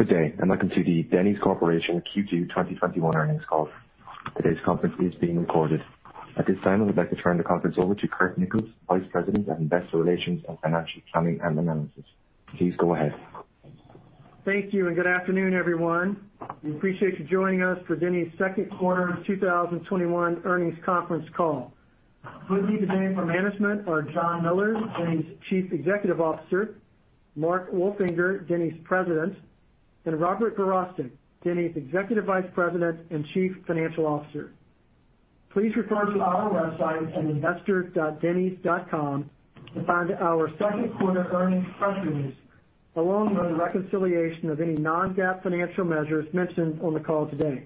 Good day, and welcome to the Denny's Corporation Q2 2021 earnings call. Today's conference is being recorded. At this time, I would like to turn the conference over to Curt Nichols, Vice President of Investor Relations and Financial Planning and Analysis. Please go ahead. Thank you, and good afternoon, everyone. We appreciate you joining us for Denny's second quarter 2021 earnings conference call. With me today from management are John Miller, Denny's Chief Executive Officer, Mark Wolfinger, Denny's President, and Robert Verostek, Denny's Executive Vice President and Chief Financial Officer. Please refer to our website at investor.dennys.com to find our second quarter earnings press release, along with a reconciliation of any non-GAAP financial measures mentioned on the call today.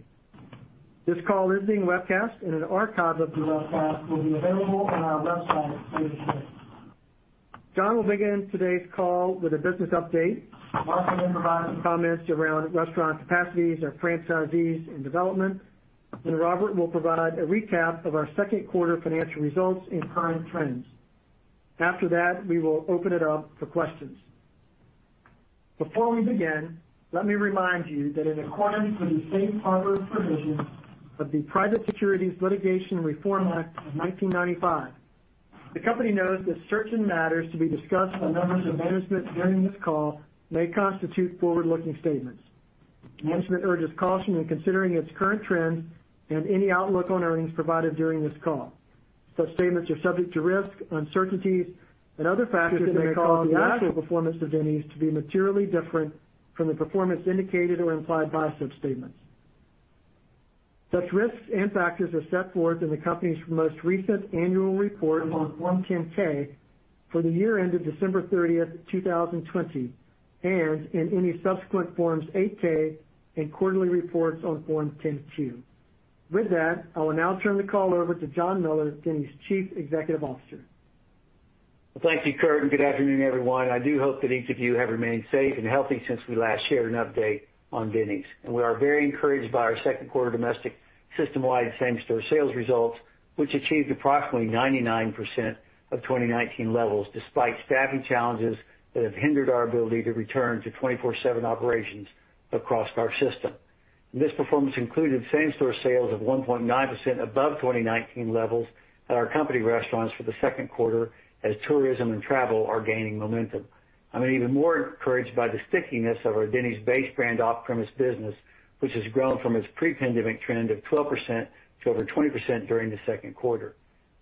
This call is being webcast, and an archive of the webcast will be available on our website later today. John will begin today's call with a business update. Mark will provide some comments around restaurant capacities, our franchisees, and development. Robert will provide a recap of our second quarter financial results and current trends. After that, we will open it up for questions. Before we begin, let me remind you that in accordance with the safe harbor provisions of the Private Securities Litigation Reform Act of 1995, the company notes that certain matters to be discussed by members of management during this call may constitute forward-looking statements. Management urges caution in considering its current trends and any outlook on earnings provided during this call. Such statements are subject to risks, uncertainties, and other factors that may cause the actual performance of Denny's to be materially different from the performance indicated or implied by such statements. Such risks and factors are set forth in the company's most recent annual report on Form 10-K for the year ended December 30th, 2020, and in any subsequent Forms 8-K and quarterly reports on Form 10-Q. With that, I will now turn the call over to John Miller, Denny's Chief Executive Officer. Well, thank you, Curt, good afternoon, everyone. I do hope that each of you have remained safe and healthy since we last shared an update on Denny's. We are very encouraged by our second quarter domestic system-wide same-store sales results, which achieved approximately 99% of 2019 levels, despite staffing challenges that have hindered our ability to return to 24/7 operations across our system. This performance included same-store sales of 1.9% above 2019 levels at our company restaurants for the second quarter, as tourism and travel are gaining momentum. I'm even more encouraged by the stickiness of our Denny's base brand off-premise business, which has grown from its pre-pandemic trend of 12% to over 20% during the second quarter.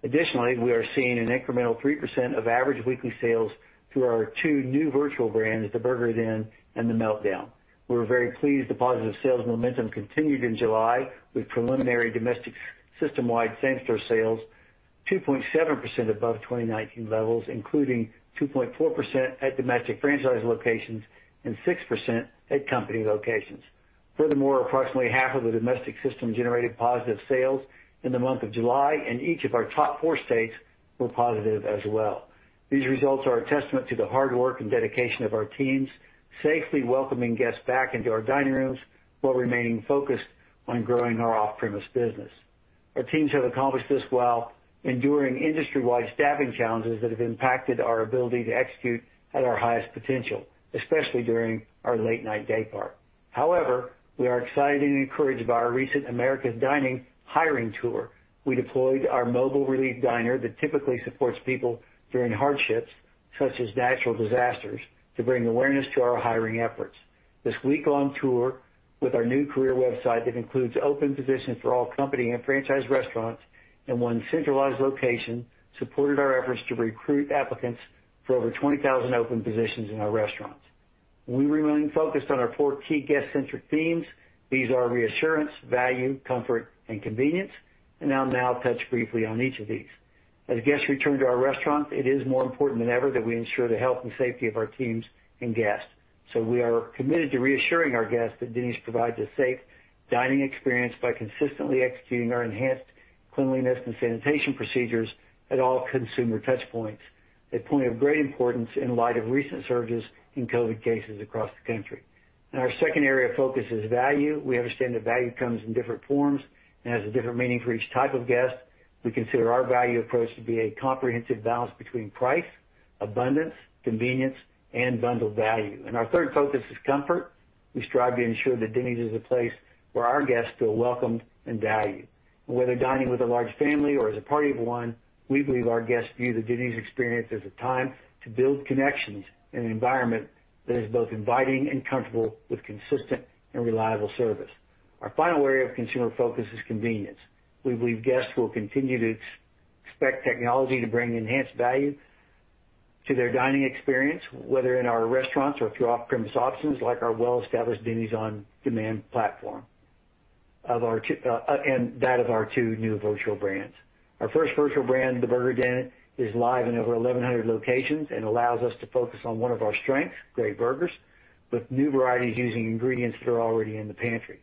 Additionally, we are seeing an incremental 3% of average weekly sales through our two new virtual brands, The Burger Den and The Meltdown. We're very pleased the positive sales momentum continued in July with preliminary domestic system-wide same-store sales 2.7% above 2019 levels, including 2.4% at domestic franchise locations and 6% at company locations. Approximately half of the domestic system generated positive sales in the month of July, and each of our top four states were positive as well. These results are a testament to the hard work and dedication of our teams, safely welcoming guests back into our dining rooms while remaining focused on growing our off-premise business. Our teams have accomplished this while enduring industry-wide staffing challenges that have impacted our ability to execute at our highest potential, especially during our late-night daypart. We are excited and encouraged by our recent America's Diner Hiring Tour. We deployed our Mobile Relief Diner that typically supports people during hardships, such as natural disasters, to bring awareness to our hiring efforts. This week-long tour with our new career website that includes open positions for all company and franchise restaurants in one centralized location supported our efforts to recruit applicants for over 20,000 open positions in our restaurants. We remain focused on our four key guest-centric themes. These are reassurance, value, comfort, and convenience, and I'll now touch briefly on each of these. As guests return to our restaurants, it is more important than ever that we ensure the health and safety of our teams and guests. We are committed to reassuring our guests that Denny's provides a safe dining experience by consistently executing our enhanced cleanliness and sanitation procedures at all consumer touchpoints, a point of great importance in light of recent surges in COVID cases across the country. Our second area of focus is value. We understand that value comes in different forms and has a different meaning for each type of guest. We consider our value approach to be a comprehensive balance between price, abundance, convenience, and bundled value. Our third focus is comfort. We strive to ensure that Denny's is a place where our guests feel welcomed and valued. Whether dining with a large family or as a party of one, we believe our guests view the Denny's experience as a time to build connections in an environment that is both inviting and comfortable, with consistent and reliable service. Our final area of consumer focus is convenience. We believe guests will continue to expect technology to bring enhanced value to their dining experience, whether in our restaurants or through off-premise options like our well-established Denny's On Demand platform and that of our two new virtual brands. Our first virtual brand, The Burger Den, is live in over 1,100 locations and allows us to focus on one of our strengths, great burgers, with new varieties using ingredients that are already in the pantry.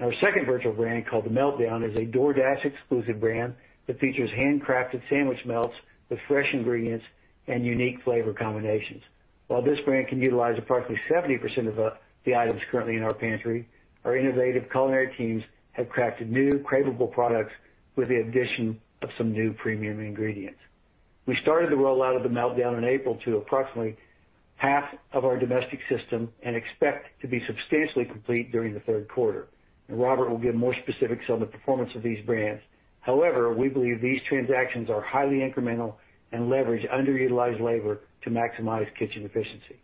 Our second virtual brand, called The Meltdown, is a DoorDash-exclusive brand that features handcrafted sandwich melts with fresh ingredients and unique flavor combinations. While this brand can utilize approximately 70% of the items currently in our pantry, our innovative culinary teams have crafted new cravable products with the addition of some new premium ingredients. We started the rollout of The Meltdown in April to approximately half of our domestic system and expect to be substantially complete during the third quarter, and Robert will give more specifics on the performance of these brands. However, we believe these transactions are highly incremental and leverage underutilized labor to maximize kitchen efficiency.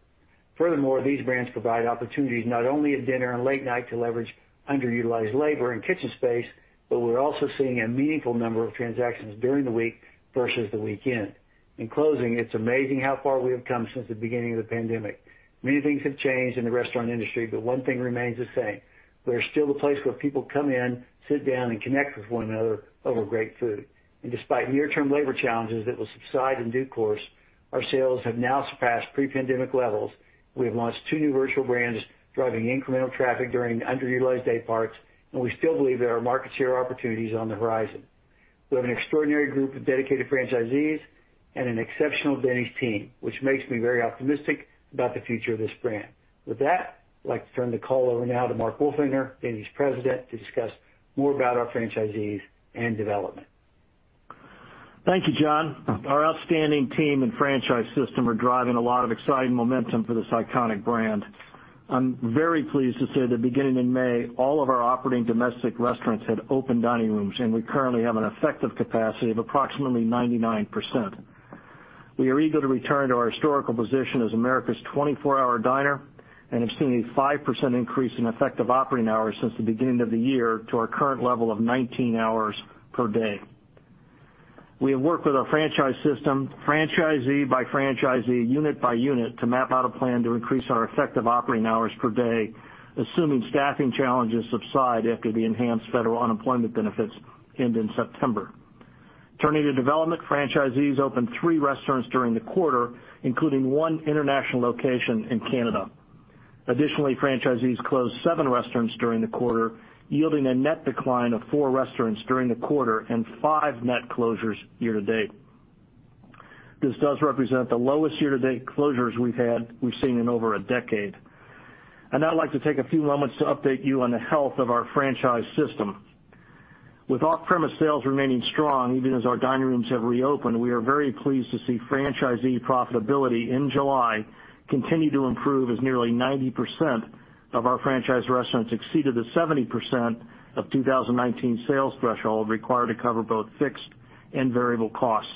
Furthermore, these brands provide opportunities not only at dinner and late night to leverage underutilized labor and kitchen space, but we're also seeing a meaningful number of transactions during the week versus the weekend. In closing, it's amazing how far we have come since the beginning of the pandemic. Many things have changed in the restaurant industry, but one thing remains the same. We are still the place where people come in, sit down, and connect with one another over great food. Despite near-term labor challenges that will subside in due course, our sales have now surpassed pre-pandemic levels. We have launched two new virtual brands driving incremental traffic during underutilized day parts, and we still believe there are market share opportunities on the horizon. We have an extraordinary group of dedicated franchisees and an exceptional Denny's team, which makes me very optimistic about the future of this brand. With that, I'd like to turn the call over now to Mark Wolfinger, Denny's President, to discuss more about our franchisees and development. Thank you, John. Our outstanding team and franchise system are driving a lot of exciting momentum for this iconic brand. I'm very pleased to say that beginning in May, all of our operating domestic restaurants had open dining rooms, and we currently have an effective capacity of approximately 99%. We are eager to return to our historical position as America's 24-hour diner and have seen a 5% increase in effective operating hours since the beginning of the year to our current level of 19 hours per day. We have worked with our franchise system, franchisee by franchisee, unit by unit, to map out a plan to increase our effective operating hours per day, assuming staffing challenges subside after the enhanced federal unemployment benefits end in September. Turning to development, franchisees opened three restaurants during the quarter, including one international location in Canada. Additionally, franchisees closed seven restaurants during the quarter, yielding a net decline of four restaurants during the quarter and five net closures year to date. This does represent the lowest year-to-date closures we've seen in over a decade. I'd now like to take a few moments to update you on the health of our franchise system. With off-premise sales remaining strong, even as our dining rooms have reopened, we are very pleased to see franchisee profitability in July continue to improve, as nearly 90% of our franchise restaurants exceeded the 70% of 2019 sales threshold required to cover both fixed and variable costs.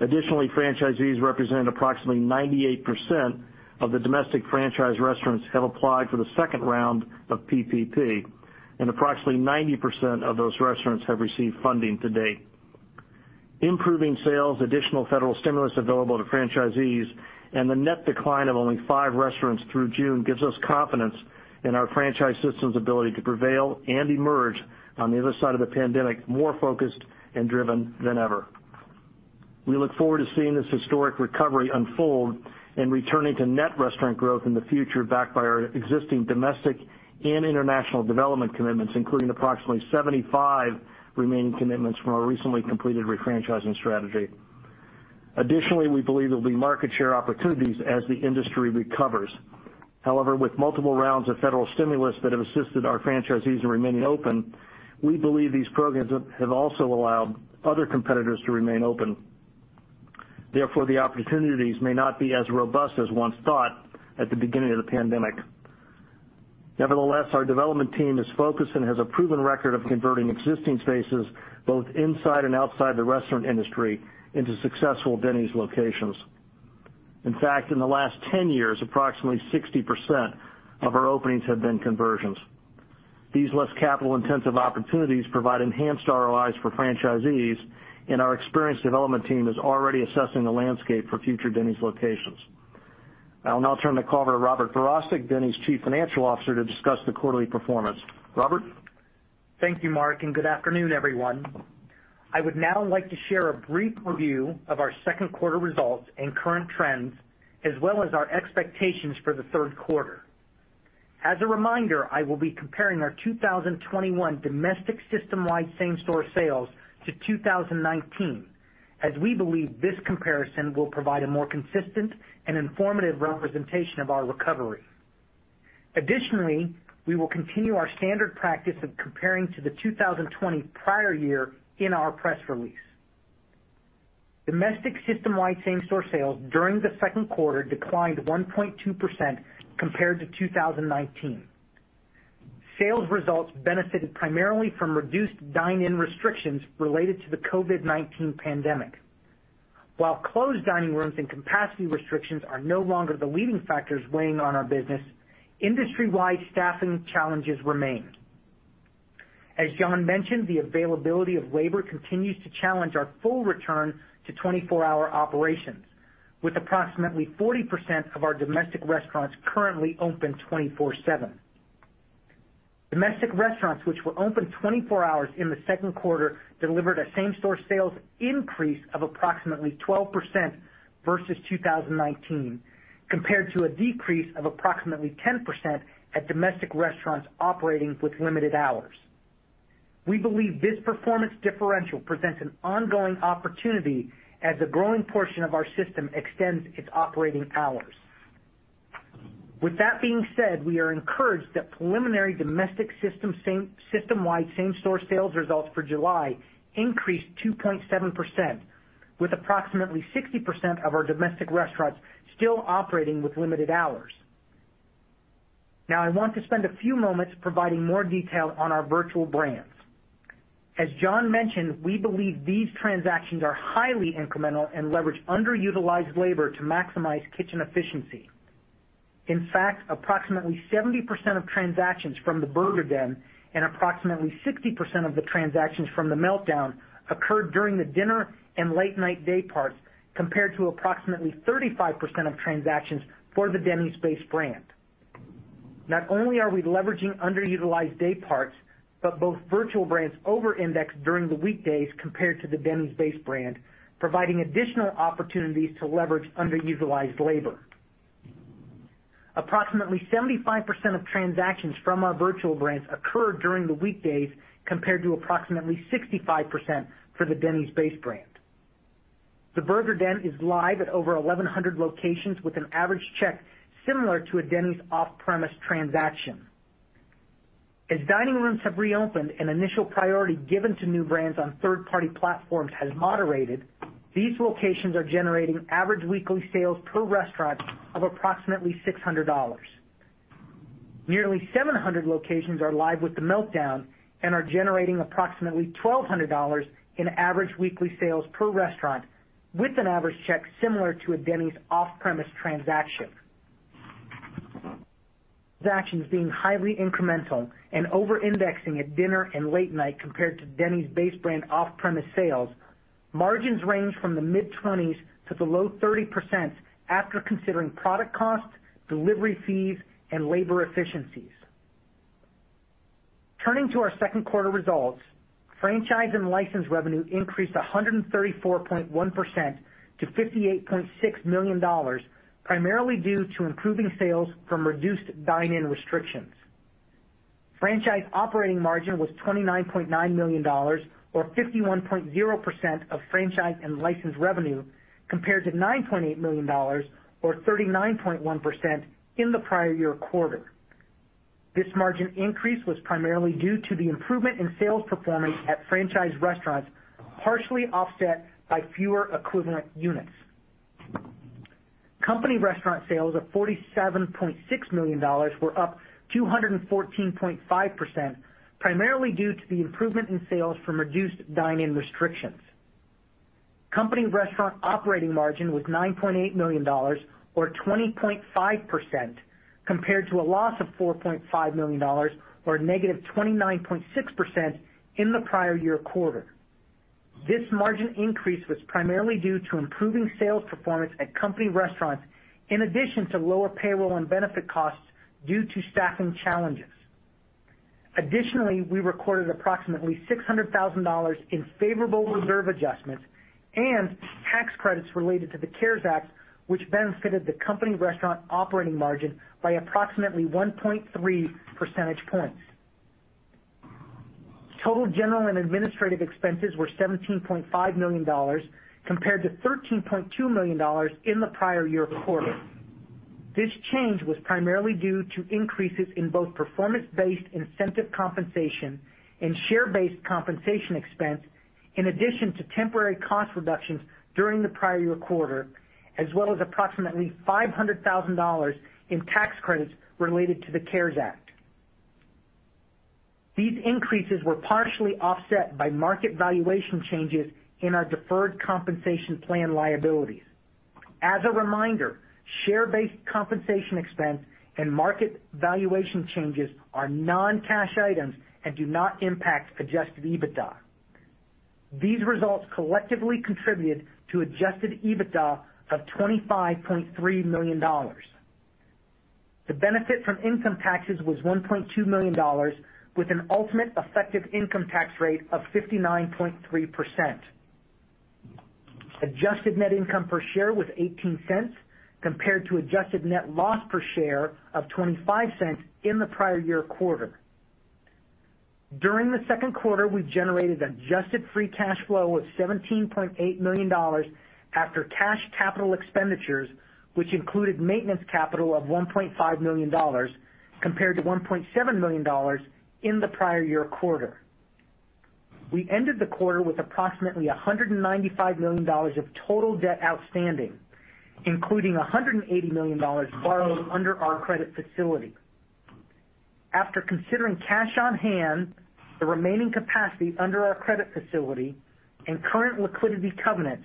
Additionally, franchisees represent approximately 98% of the domestic franchise restaurants have applied for the second round of PPP, and approximately 90% of those restaurants have received funding to date. Improving sales, additional federal stimulus available to franchisees, and the net decline of only five restaurants through June gives us confidence in our franchise system's ability to prevail and emerge on the other side of the pandemic, more focused and driven than ever. We look forward to seeing this historic recovery unfold and returning to net restaurant growth in the future, backed by our existing domestic and international development commitments, including approximately 75 remaining commitments from our recently completed refranchising strategy. Additionally, we believe there'll be market share opportunities as the industry recovers. However, with multiple rounds of federal stimulus that have assisted our franchisees in remaining open, we believe these programs have also allowed other competitors to remain open. Therefore, the opportunities may not be as robust as once thought at the beginning of the pandemic. Nevertheless, our development team is focused and has a proven record of converting existing spaces, both inside and outside the restaurant industry, into successful Denny's locations. In fact, in the last 10 years, approximately 60% of our openings have been conversions. These less capital-intensive opportunities provide enhanced ROIs for franchisees, and our experienced development team is already assessing the landscape for future Denny's locations. I'll now turn the call over to Robert Verostek, Denny's Chief Financial Officer, to discuss the quarterly performance. Robert? Thank you, Mark, and good afternoon, everyone. I would now like to share a brief review of our second quarter results and current trends, as well as our expectations for the third quarter. As a reminder, I will be comparing our 2021 domestic systemwide same-store sales to 2019, as we believe this comparison will provide a more consistent and informative representation of our recovery. Additionally, we will continue our standard practice of comparing to the 2020 prior year in our press release. Domestic systemwide same-store sales during the second quarter declined 1.2% compared to 2019. Sales results benefited primarily from reduced dine-in restrictions related to the COVID-19 pandemic. While closed dining rooms and capacity restrictions are no longer the leading factors weighing on our business, industry-wide staffing challenges remain. As John mentioned, the availability of labor continues to challenge our full return to 24-hour operations, with approximately 40% of our domestic restaurants currently open 24/7. Domestic restaurants which were open 24 hours in the second quarter delivered a same-store sales increase of approximately 12% versus 2019, compared to a decrease of approximately 10% at domestic restaurants operating with limited hours. We believe this performance differential presents an ongoing opportunity as a growing portion of our system extends its operating hours. With that being said, we are encouraged that preliminary domestic system-wide same-store sales results for July increased 2.7%, with approximately 60% of our domestic restaurants still operating with limited hours. Now, I want to spend a few moments providing more detail on our virtual brands. As John mentioned, we believe these transactions are highly incremental and leverage underutilized labor to maximize kitchen efficiency. In fact, approximately 70% of transactions from The Burger Den and approximately 60% of the transactions from The Meltdown occurred during the dinner and late-night day parts, compared to approximately 35% of transactions for the Denny's base brand. Not only are we leveraging underutilized day parts, but both virtual brands over-index during the weekdays compared to the Denny's base brand, providing additional opportunities to leverage underutilized labor. Approximately 75% of transactions from our virtual brands occur during the weekdays, compared to approximately 65% for the Denny's base brand. The Burger Den is live at over 1,100 locations with an average check similar to a Denny's off-premise transaction. As dining rooms have reopened, an initial priority given to new brands on third-party platforms has moderated. These locations are generating average weekly sales per restaurant of approximately $600. Nearly 700 locations are live with The Meltdown and are generating approximately $1,200 in average weekly sales per restaurant, with an average check similar to a Denny's off-premise transaction. Transactions being highly incremental and over-indexing at dinner and late night compared to Denny's base brand off-premise sales, margins range from the mid 20s to the low 30% after considering product costs, delivery fees, and labor efficiencies. Turning to our second quarter results, franchise and license revenue increased 134.1% to $58.6 million, primarily due to improving sales from reduced dine-in restrictions. Franchise operating margin was $29.9 million or 51.0% of franchise and licensed revenue, compared to $9.8 million or 39.1% in the prior year quarter. This margin increase was primarily due to the improvement in sales performance at franchise restaurants, partially offset by fewer equivalent units. Company restaurant sales of $47.6 million were up 214.5%, primarily due to the improvement in sales from reduced dine-in restrictions. Company restaurant operating margin was $9.8 million or 20.5%, compared to a loss of $4.5 million or a negative 29.6% in the prior year quarter. This margin increase was primarily due to improving sales performance at company restaurants, in addition to lower payroll and benefit costs due to staffing challenges. Additionally, we recorded approximately $600,000 in favorable reserve adjustments and tax credits related to the CARES Act, which benefited the company restaurant operating margin by approximately 1.3 percentage points. Total general and administrative expenses were $17.5 million compared to $13.2 million in the prior year quarter. This change was primarily due to increases in both performance-based incentive compensation and share-based compensation expense, in addition to temporary cost reductions during the prior year quarter, as well as approximately $500,000 in tax credits related to the CARES Act. These increases were partially offset by market valuation changes in our deferred compensation plan liabilities. As a reminder, share-based compensation expense and market valuation changes are non-cash items and do not impact adjusted EBITDA. These results collectively contributed to adjusted EBITDA of $25.3 million. The benefit from income taxes was $1.2 million, with an ultimate effective income tax rate of 59.3%. Adjusted net income per share was $0.18, compared to adjusted net loss per share of $0.25 in the prior year quarter. During the second quarter, we generated adjusted free cash flow of $17.8 million after cash capital expenditures, which included maintenance capital of $1.5 million, compared to $1.7 million in the prior year quarter. We ended the quarter with approximately $195 million of total debt outstanding, including $180 million borrowed under our credit facility. After considering cash on hand, the remaining capacity under our credit facility, and current liquidity covenants,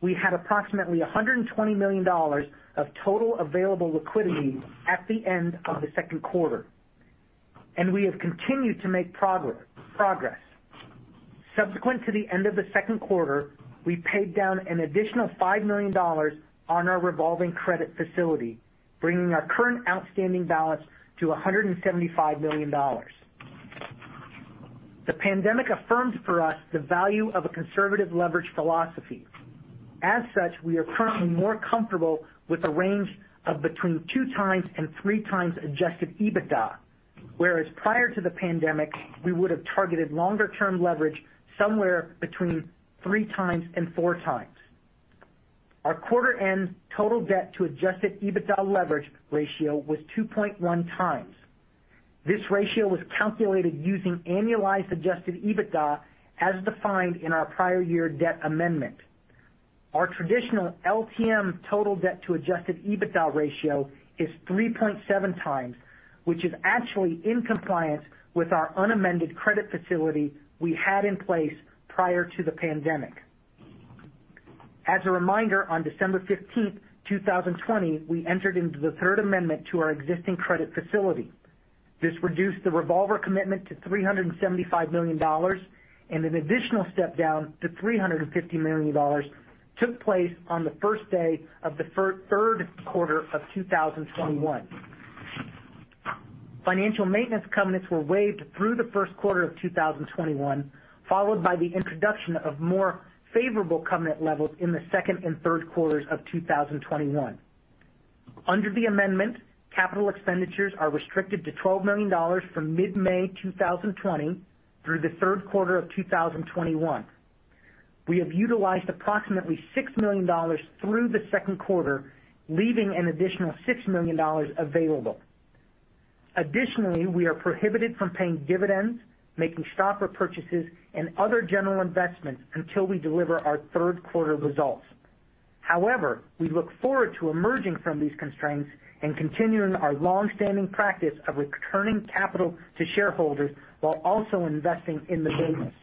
we had approximately $120 million of total available liquidity at the end of the second quarter, and we have continued to make progress. Subsequent to the end of the second quarter, we paid down an additional $5 million on our revolving credit facility, bringing our current outstanding balance to $175 million. The pandemic affirmed for us the value of a conservative leverage philosophy. As such, we are currently more comfortable with a range of between two times and three times adjusted EBITDA, whereas prior to the pandemic, we would have targeted longer-term leverage somewhere between three times and four times. Our quarter end total debt to adjusted EBITDA leverage ratio was 2.1 x. This ratio was calculated using annualized adjusted EBITDA as defined in our prior year debt amendment. Our traditional LTM total debt to adjusted EBITDA ratio is 3.7 x, which is actually in compliance with our unamended credit facility we had in place prior to the pandemic. As a reminder, on December 15th, 2020, we entered into the third amendment to our existing credit facility. This reduced the revolver commitment to $375 million, and an additional step down to $350 million took place on the first day of the third quarter of 2021. Financial maintenance covenants were waived through the first quarter of 2021, followed by the introduction of more favorable covenant levels in the second and third quarters of 2021. Under the amendment, capital expenditures are restricted to $12 million from mid-May 2020 through the third quarter of 2021. We have utilized approximately $6 million through the second quarter, leaving an additional $6 million available. Additionally, we are prohibited from paying dividends, making stock repurchases, and other general investments until we deliver our third quarter results. However, we look forward to emerging from these constraints and continuing our longstanding practice of returning capital to shareholders while also investing in the business.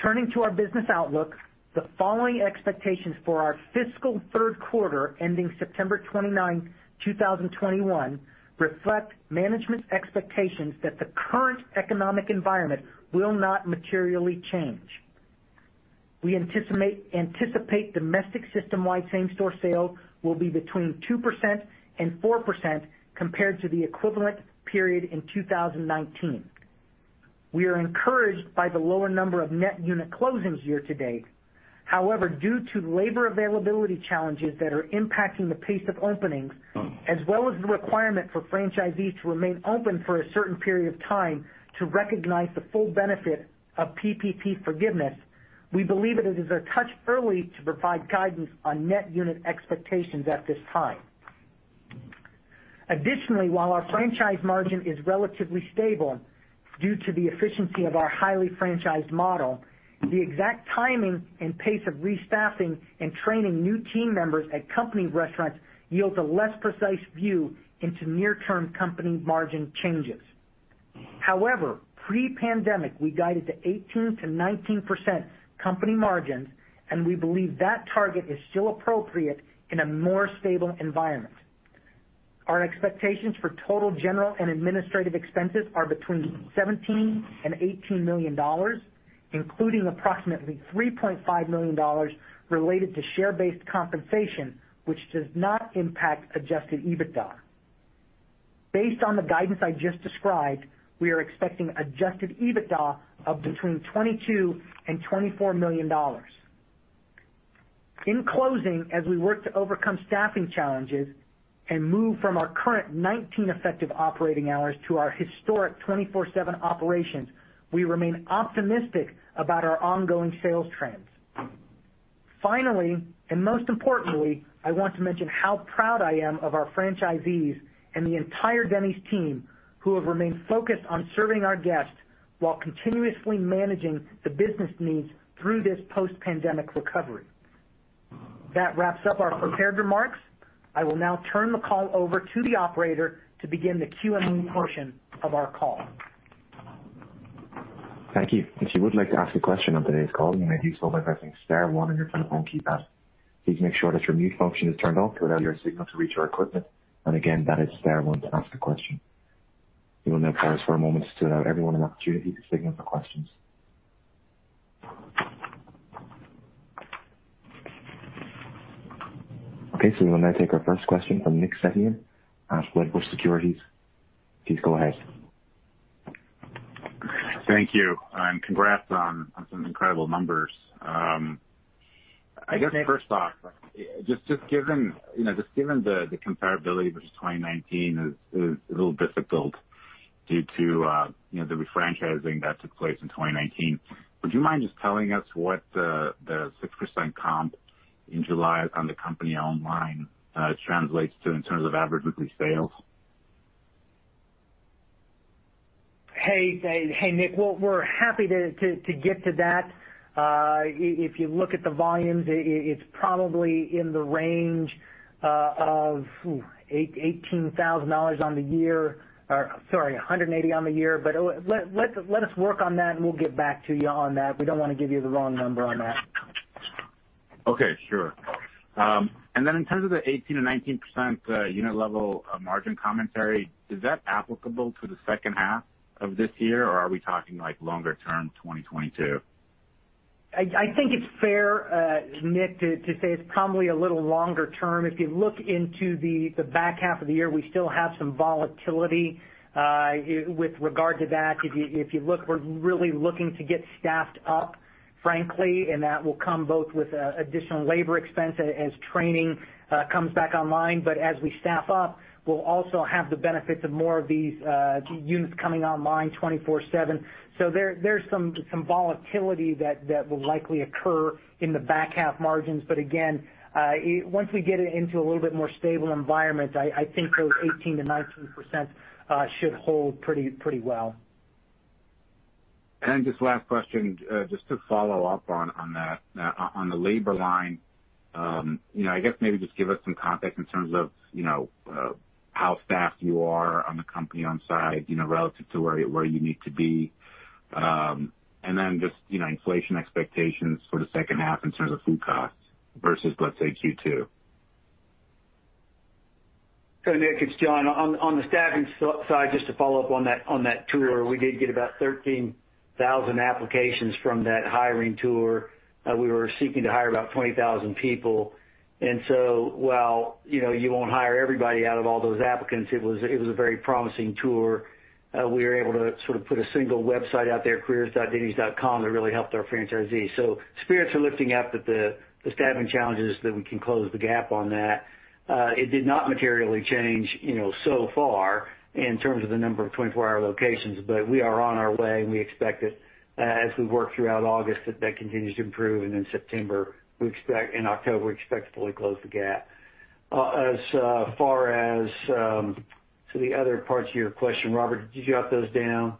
Turning to our business outlook, the following expectations for our fiscal third quarter ending September 29, 2021, reflect management's expectations that the current economic environment will not materially change. We anticipate domestic system-wide same-store sales will be between 2% and 4% compared to the equivalent period in 2019. We are encouraged by the lower number of net unit closings year to date. However, due to labor availability challenges that are impacting the pace of openings, as well as the requirement for franchisees to remain open for a certain period of time to recognize the full benefit of PPP forgiveness, we believe that it is a touch early to provide guidance on net unit expectations at this time. Additionally, while our franchise margin is relatively stable due to the efficiency of our highly franchised model, the exact timing and pace of restaffing and training new team members at company restaurants yields a less precise view into near-term company margin changes. However, pre-pandemic, we guided to 18%-19% company margins, and we believe that target is still appropriate in a more stable environment. Our expectations for total general and administrative expenses are between $17 million and $18 million, including approximately $3.5 million related to share-based compensation, which does not impact adjusted EBITDA. Based on the guidance I just described, we are expecting adjusted EBITDA of between $22 million and $24 million. In closing, as we work to overcome staffing challenges and move from our current 19 effective operating hours to our historic 24/7 operations, we remain optimistic about our ongoing sales trends. Finally, and most importantly, I want to mention how proud I am of our franchisees and the entire Denny's team, who have remained focused on serving our guests while continuously managing the business needs through this post-pandemic recovery. That wraps up our prepared remarks. I will now turn the call over to the operator to begin the Q&A portion of our call. Okay, we will now take our first question from Nick Setyan, Wedbush Securities. Please go ahead. Thank you, and congrats on some incredible numbers. Thank you. I guess first off, just given the comparability versus 2019 is a little difficult due to the refranchising that took place in 2019. Would you mind just telling us what the 6% comp in July on the company online translates to in terms of average weekly sales? Hey, Nick. Well, we're happy to get to that. If you look at the volumes, it's probably in the range of $180 on the year. Let us work on that, and we'll get back to you on that. We don't want to give you the wrong number on that. Okay. Sure. Then in terms of the 18%-19% unit level margin commentary, is that applicable to the second half of this year, or are we talking longer term 2022? I think it's fair, Nick, to say it's probably a little longer term. If you look into the back half of the year, we still have some volatility with regard to that. If you look, we're really looking to get staffed up, frankly, and that will come both with additional labor expense as training comes back online. As we staff up, we'll also have the benefit of more of these units coming online 24/7. There's some volatility that will likely occur in the back half margins. Again, once we get into a little bit more stable environment, I think those 18%-19% should hold pretty well. Just last question, just to follow up on the labor line. I guess maybe just give us some context in terms of how staffed you are on the company-owned side, relative to where you need to be. Then just, inflation expectations for the second half in terms of food costs versus, let's say, Q2. Nick Setyan, it's John Miller. On the staffing side, just to follow up on that tour, we did get about 13,000 applications from that hiring tour. We were seeking to hire about 20,000 people. While you won't hire everybody out of all those applicants, it was a very promising tour. We were able to sort of put a single website out there, careers.dennys.com, that really helped our franchisees. Spirits are lifting up that the staffing challenges, that we can close the gap on that. It did not materially change so far in terms of the number of 24-hour locations. We are on our way, and we expect it, as we work throughout August, that continues to improve, and in September and October, we expect to fully close the gap. As far as to the other parts of your question, Robert Verostek, did you jot those down?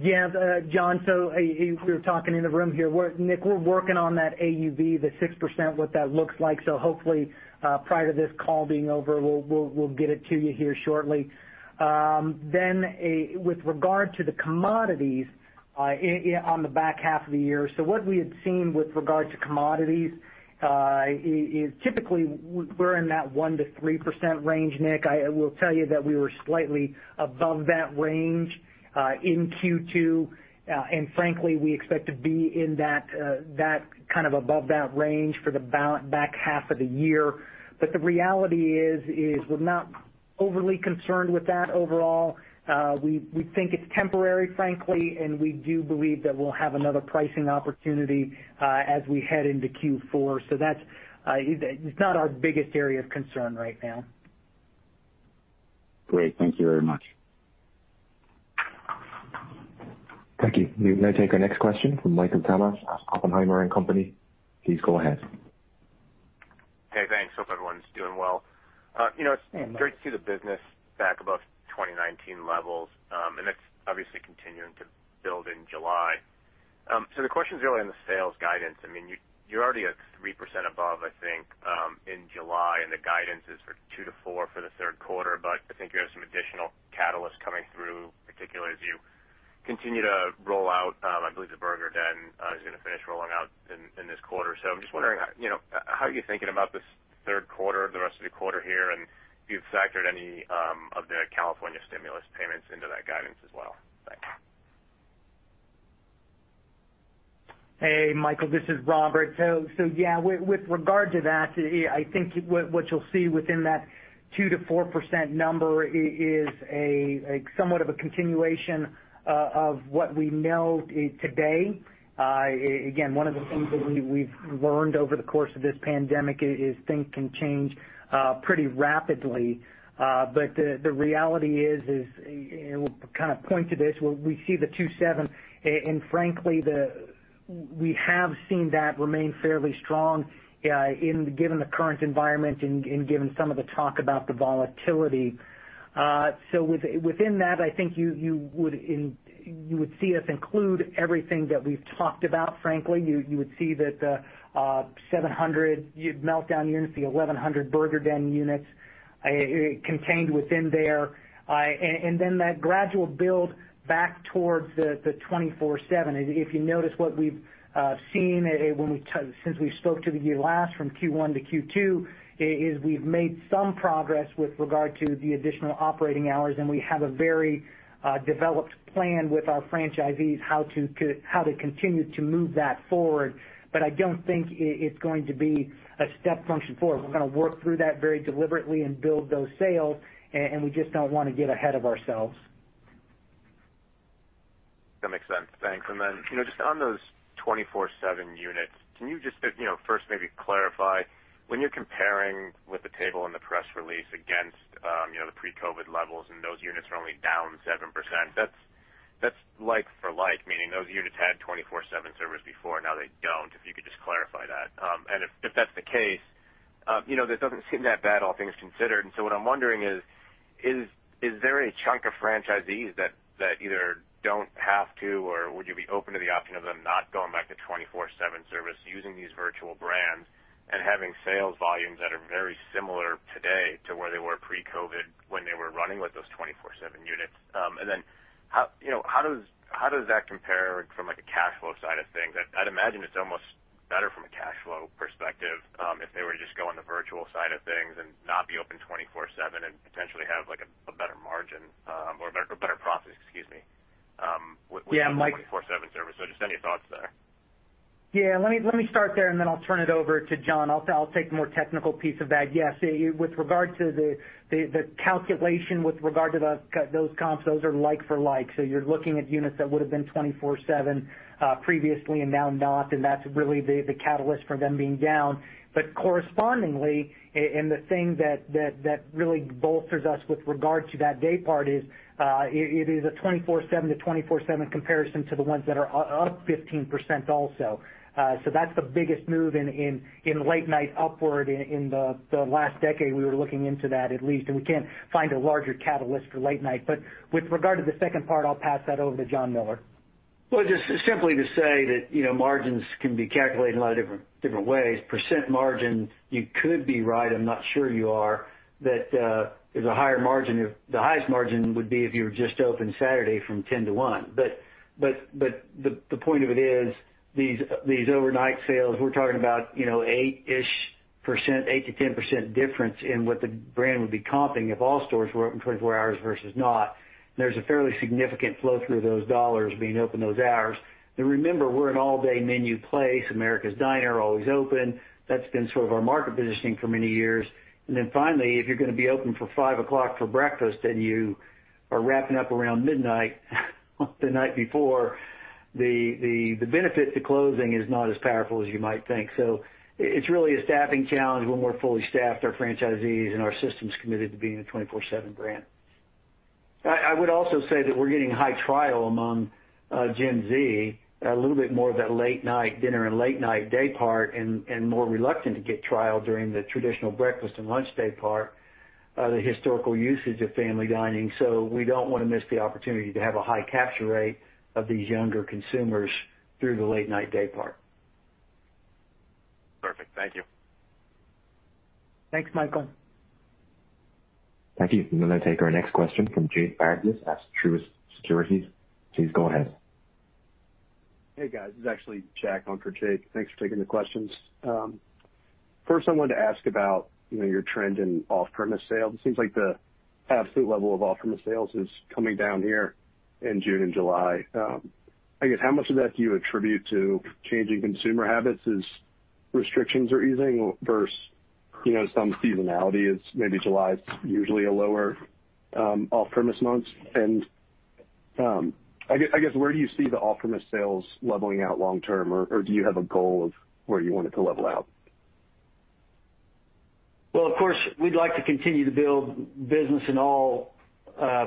Yeah. John Miller, we were talking in the room here. Nick Setyan, we're working on that AUV, the 6%, what that looks like. Hopefully, prior to this call being over, we'll get it to you here shortly. With regard to the commodities on the back half of the year, what we had seen with regard to commodities, is typically we're in that 1%-3% range, Nick Setyan. I will tell you that we were slightly above that range in Q2. Frankly, we expect to be above that range for the back half of the year. The reality is, we're not overly concerned with that overall. We think it's temporary, frankly, we do believe that we'll have another pricing opportunity as we head into Q4. It's not our biggest area of concern right now. Great. Thank you very much. Thank you. We're going to take our next question from Michael Tamas, Oppenheimer & Co. Please go ahead. Hey, thanks. Hope everyone's doing well. It's great to see the business back above 2019 levels, and it's obviously continuing to build in July. The question's really on the sales guidance. You're already at 3% above, I think, in July, and the guidance is for 2%-4% for the third quarter, but I think you have some additional catalysts coming through, particularly as you continue to roll out, I believe The Burger Den is going to finish rolling out in this quarter. I'm just wondering, how are you thinking about this third quarter, the rest of the quarter here, and if you've factored any of the California stimulus payments into that guidance as well? Thanks. Hey, Michael, this is Robert. Yeah, with regard to that, I think what you'll see within that 2%-4% number is somewhat of a continuation of what we know today. One of the things that we've learned over the course of this pandemic is things can change pretty rapidly. The reality is, and we'll kind of point to this, we see the 24/7, and frankly, we have seen that remain fairly strong given the current environment and given some of the talk about the volatility. Within that, I think you would see us include everything that we've talked about, frankly. You would see that 700 The Meltdown units, the 1,100 The Burger Den units contained within there. That gradual build back towards the 24/7. If you notice what we've seen since we spoke to you last from Q1-Q2, is we've made some progress with regard to the additional operating hours, and we have a very developed plan with our franchisees how to continue to move that forward. I don't think it's going to be a step function forward. We're going to work through that very deliberately and build those sales, and we just don't want to get ahead of ourselves. That makes sense. Thanks. Just on those 24/7 units, can you just first maybe clarify, when you're comparing with the table in the press release against the pre-COVID levels and those units are only down 7%, that's like for like, meaning those units had 24/7 service before, now they don't, if you could just clarify that. If that's the case, this doesn't seem that bad, all things considered. What I'm wondering is there a chunk of franchisees that either don't have to or would you be open to the option of them not going back to 24/7 service using these virtual brands and having sales volumes that are very similar today to where they were pre-COVID when they were running with those 24/7 units? How does that compare from a cash flow side of things? I'd imagine it's almost better from a cash flow perspective if they were to just go on the virtual side of things and not be open 24/7 and potentially have a better margin or a better profit with the 24/7 service. Just any thoughts there. Yeah. Let me start there, and then I'll turn it over to John Miller. I'll take the more technical piece of that. Yeah. With regard to the calculation with regard to those comps, those are like for like. You're looking at units that would've been 24/7 previously and now not, and that's really the catalyst for them being down. Correspondingly, and the thing that really bolsters us with regard to that day part is, it is a 24/7-24/7 comparison to the ones that are up 15% also. That's the biggest move in late night upward in the last decade. We were looking into that at least, and we can't find a larger catalyst for late night. With regard to the second part, I'll pass that over to John Miller. Well, just simply to say that margins can be calculated in a lot of different ways. Percent margin, you could be right, I'm not sure you are, that there's a higher margin. The highest margin would be if you were just open Saturday from 10:00 A.M. to 1:00 P.M. The point of it is these overnight sales, we're talking about 8%, 8% to 10% difference in what the brand would be comping if all stores were open 24 hours versus not. There's a fairly significant flow through those dollars being open those hours. Remember, we're an all-day menu place, America's Diner, always open. That's been sort of our market positioning for many years. Finally, if you're going to be open for 5:00 A.M. for breakfast, then you are wrapping up around midnight the night before. The benefit to closing is not as powerful as you might think. It's really a staffing challenge when we're fully staffed, our franchisees and our systems committed to being a 24/7 brand. I would also say that we're getting high trial among Gen Z, a little bit more of that late-night dinner and late-night daypart, and more reluctant to get trial during the traditional breakfast and lunch daypart, the historical usage of family dining. We don't want to miss the opportunity to have a high capture rate of these younger consumers through the late-night daypart. Perfect. Thank you. Thanks, Michael. Thank you. We'll now take our next question from Jake Bartlett at Truist Securities. Please go ahead. Hey, guys. This is actually Jack on for Jake. Thanks for taking the questions. First, I wanted to ask about your trend in off-premise sales. It seems like the absolute level of off-premise sales is coming down here in June and July. I guess how much of that do you attribute to changing consumer habits as restrictions are easing versus some seasonality, as maybe July is usually a lower off-premise month? I guess where do you see the off-premise sales leveling out long term, or do you have a goal of where you want it to level out? Well, of course, we'd like to continue to build business in all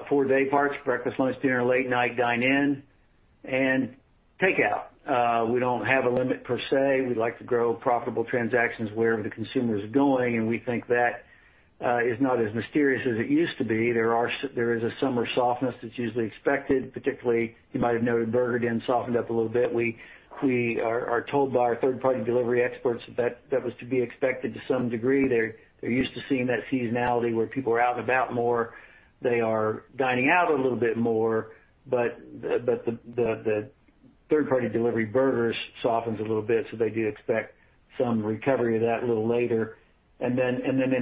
four dayparts: breakfast, lunch, dinner, late night, dine-in, and takeout. We don't have a limit per se. We'd like to grow profitable transactions wherever the consumer's going. We think that is not as mysterious as it used to be. There is a summer softness that's usually expected. Particularly, you might have noted The Burger Den softened up a little bit. We are told by our third-party delivery experts that that was to be expected to some degree. They're used to seeing that seasonality where people are out and about more. They are dining out a little bit more. The third-party delivery Burger softens a little bit. They do expect some recovery of that a little later.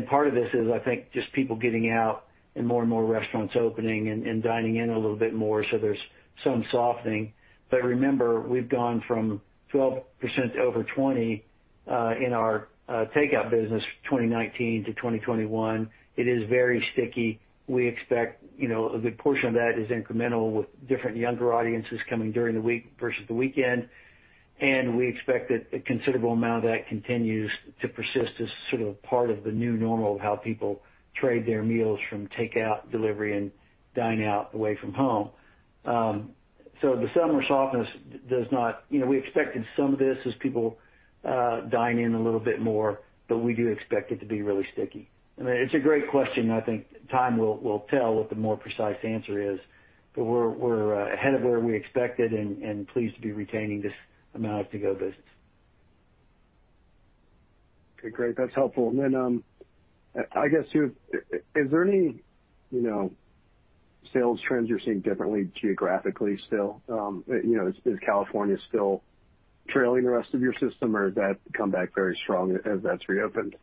Part of this is, I think, just people getting out and more and more restaurants opening and dining in a little bit more, so there's some softening. Remember, we've gone from 12% to over 20% in our takeout business 2019 to 2021. It is very sticky. We expect a good portion of that is incremental with different younger audiences coming during the week versus the weekend, and we expect that a considerable amount of that continues to persist as sort of part of the new normal of how people trade their meals from takeout, delivery, and dine-out away from home. We expected some of this as people dine in a little bit more, but we do expect it to be really sticky. I mean, it's a great question, and I think time will tell what the more precise answer is. We're ahead of where we expected and pleased to be retaining this amount of to-go business. Okay, great. That's helpful. Then, I guess too, is there any sales trends you're seeing differently geographically still? Is California still trailing the rest of your system, or has that come back very strong as that's reopened?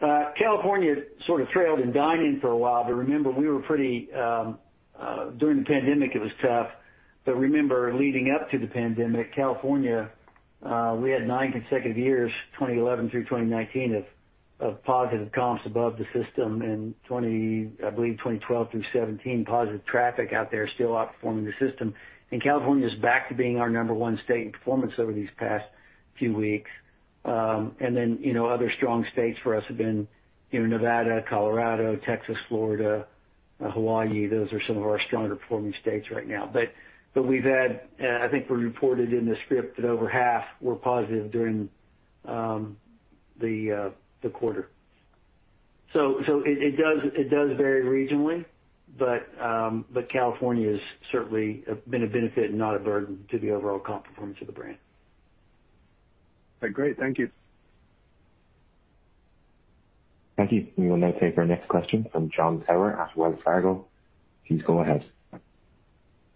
California sort of trailed in dine-in for a while. Remember, during the pandemic, it was tough. Remember, leading up to the pandemic, California, we had nine consecutive years, 2011 through 2019, of positive comps above the system, and I believe 2012 through 2017, positive traffic out there still outperforming the system. California's back to being our number one state in performance over these past few weeks. Other strong states for us have been Nevada, Colorado, Texas, Florida, Hawaii. Those are some of our stronger performing states right now. We've had, I think we reported in the script that over half were positive during the quarter. It does vary regionally. California has certainly been a benefit and not a burden to the overall comp performance of the brand. Great. Thank you. Thank you. We will now take our next question from Jon Tower at Wells Fargo. Please go ahead.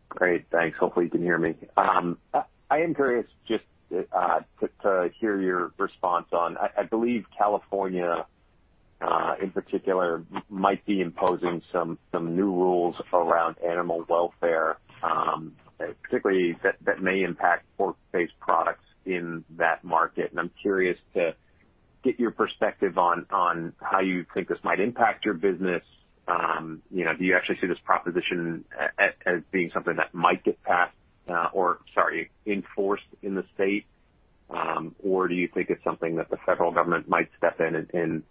Great. Thanks. Hopefully you can hear me. I am curious just to hear your response on, I believe California, in particular, might be imposing some new rules around animal welfare, particularly that may impact pork-based products in that market. I'm curious to get your perspective on how you think this might impact your business. Do you actually see this proposition as being something that might enforced in the state? Do you think it's something that the federal government might step in and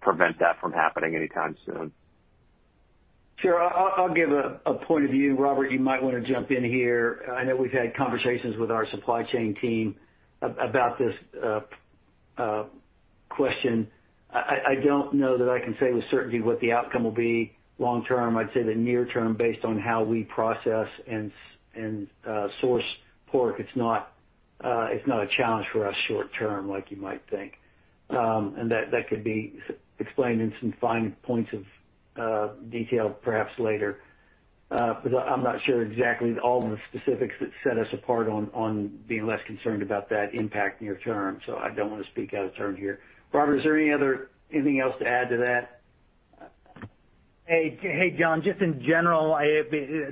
prevent that from happening anytime soon? Sure. I'll give a point of view. Robert, you might want to jump in here. I know we've had conversations with our supply chain team about this a question. I don't know that I can say with certainty what the outcome will be long term. I'd say the near term, based on how we process and source pork, it's not a challenge for us short term like you might think. That could be explained in some fine points of detail perhaps later. I'm not sure exactly all of the specifics that set us apart on being less concerned about that impact near term, so I don't want to speak out of turn here. Robert, is there anything else to add to that? Hey, Jon, just in general,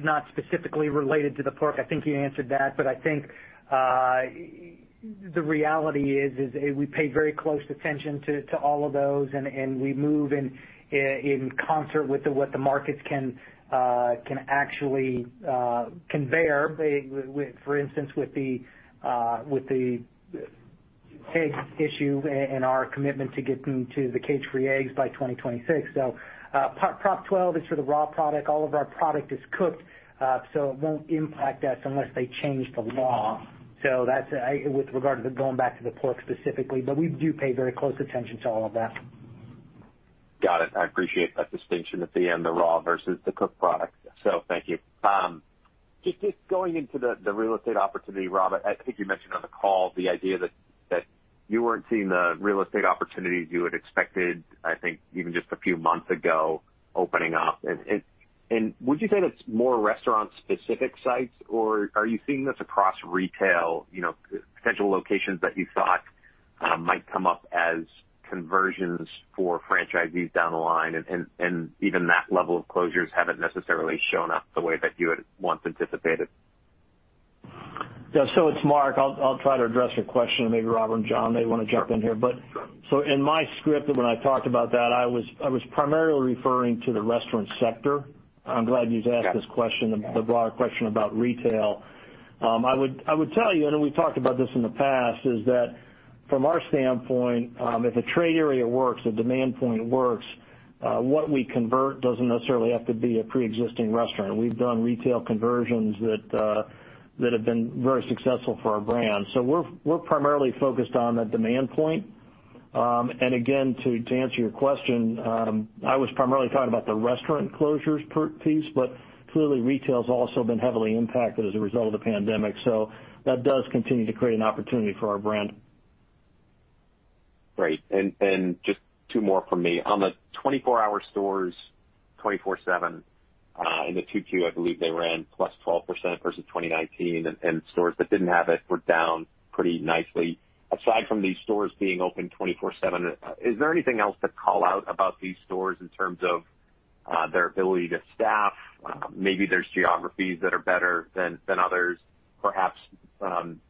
not specifically related to the pork, I think you answered that, but I think the reality is we pay very close attention to all of those, and we move in concert with what the markets can actually convey. For instance, with the egg issue and our commitment to getting to the cage-free eggs by 2026. Proposition 12 is for the raw product. All of our product is cooked, so it won't impact us unless they change the law. That's with regard to going back to the pork specifically, but we do pay very close attention to all of that. Got it. I appreciate that distinction at the end, the raw versus the cooked product. Thank you. Just going into the real estate opportunity, Rob, I think you mentioned on the call the idea that you weren't seeing the real estate opportunities you had expected, I think even just a few months ago, opening up. Would you say that's more restaurant specific sites, or are you seeing this across retail, potential locations that you thought might come up as conversions for franchisees down the line, and even that level of closures haven't necessarily shown up the way that you had once anticipated? It's Mark. I'll try to address your question, and maybe Rob and John may want to jump in here. In my script when I talked about that, I was primarily referring to the restaurant sector. I'm glad you asked this question, the broader question about retail. I would tell you, and we've talked about this in the past, is that from our standpoint, if a trade area works, a demand point works, what we convert doesn't necessarily have to be a preexisting restaurant. We've done retail conversions that have been very successful for our brand. We're primarily focused on the demand point. Again, to answer your question, I was primarily talking about the restaurant closures piece, but clearly retail's also been heavily impacted as a result of the pandemic. That does continue to create an opportunity for our brand. Great. Just two more from me. On the 24-hour stores, 24/7, in the 2Q, I believe they ran +12% versus 2019, and stores that didn't have it were down pretty nicely. Aside from these stores being open 24/7, is there anything else to call out about these stores in terms of their ability to staff? Maybe there's geographies that are better than others. Perhaps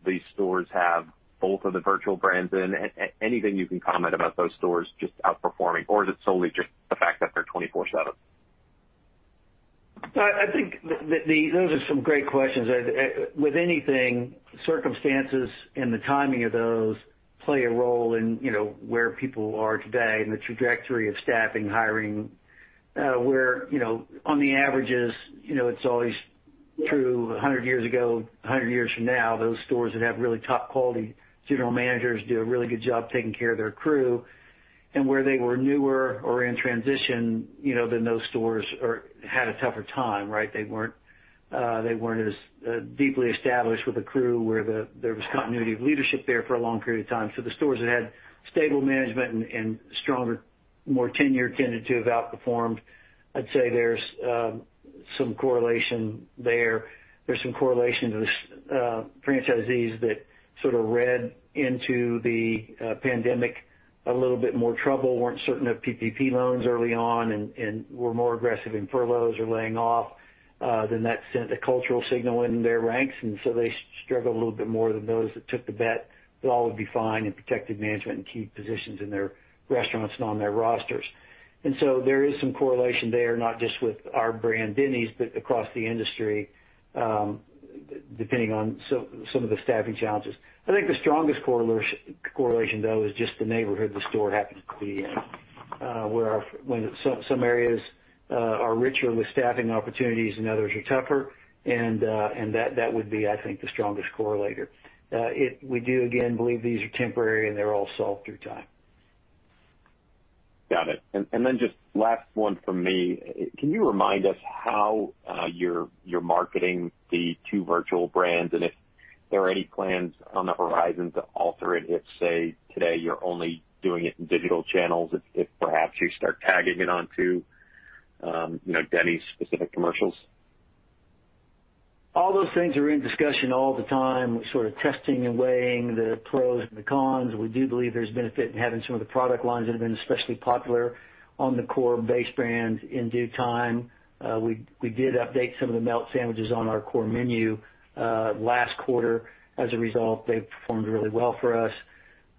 these stores have both of the virtual brands in. Anything you can comment about those stores just outperforming, or is it solely just the fact that they're 24/7? I think those are some great questions. With anything, circumstances and the timing of those play a role in where people are today and the trajectory of staffing, hiring. Where on the averages, it's always true 100 years ago, 100 years from now, those stores that have really top quality general managers do a really good job taking care of their crew. Where they were newer or in transition, then those stores had a tougher time, right? They weren't as deeply established with a crew where there was continuity of leadership there for a long period of time. The stores that had stable management and stronger, more tenure tended to have outperformed. I'd say there's some correlation there. There's some correlation to the franchisees that sort of read into the pandemic a little bit more trouble, weren't certain of PPP loans early on, and were more aggressive in furloughs or laying off. That sent a cultural signal in their ranks, and so they struggled a little bit more than those that took the bet that all would be fine and protected management and key positions in their restaurants and on their rosters. There is some correlation there, not just with our brand, Denny's, but across the industry, depending on some of the staffing challenges. I think the strongest correlation, though, is just the neighborhood the store happens to be in. Where some areas are richer with staffing opportunities and others are tougher, and that would be, I think, the strongest correlator. We do, again, believe these are temporary, and they're all solved through time. Got it. Just last one from me. Can you remind us how you're marketing the two virtual brands, and if there are any plans on the horizon to alter it if, say, today you're only doing it in digital channels, if perhaps you start tagging it onto Denny's specific commercials? All those things are in discussion all the time. We're sort of testing and weighing the pros and the cons. We do believe there's benefit in having some of the product lines that have been especially popular on the core base brand in due time. We did update some of the melt sandwiches on our core menu last quarter. As a result, they've performed really well for us.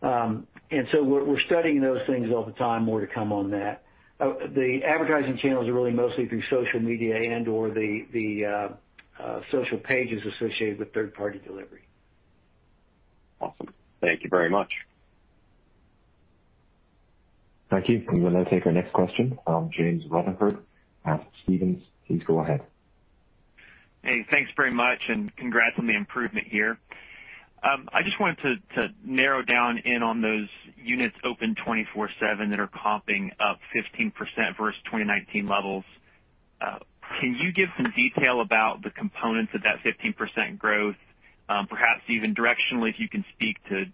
We're studying those things all the time. More to come on that. The advertising channels are really mostly through social media and/or the social pages associated with third-party delivery. Awesome. Thank you very much. Thank you. We will now take our next question from James Rutherford at Stephens. Please go ahead. Hey, thanks very much. Congrats on the improvement here. I just wanted to narrow down in on those units open 24/7 that are comping up 15% versus 2019 levels. Can you give some detail about the components of that 15% growth? Perhaps even directionally, if you can speak to